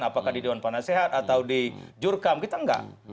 apakah di dewan panasehat atau di jurkam kita nggak